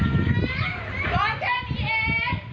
เนื่อยพักประโยชน์นอนดูแลขวบ